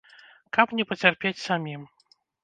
Каб не пацярпець самім.